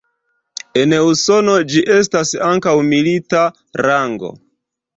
En Usono ĝi estas ankaŭ milita rango.